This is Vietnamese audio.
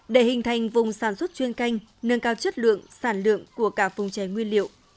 để hình thành vùng sản xuất chuyên canh nâng cao chất lượng sản lượng của cả vùng chè nguyên liệu